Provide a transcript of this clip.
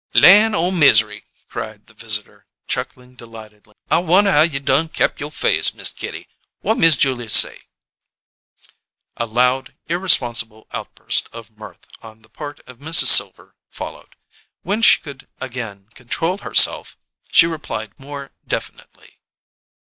"Lan' o' misery!" cried the visitor, chuckling delightedly. "I wonder how you done kep' you face, Miss Kitty. What Miss Julia say?" A loud, irresponsible outburst of mirth on the part of Mrs. Silver followed. When she could again control herself, she replied more definitely.